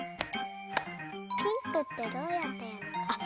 ピンクってどうやっていうのかな？